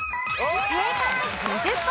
正解！